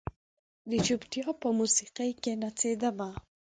د چوپتیا په موسیقۍ کې نڅیدمه